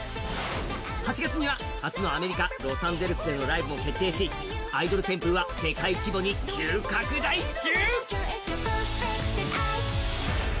８月には初のアメリカロサンゼルスでのライブも決定し「アイドル」旋風は急拡大中。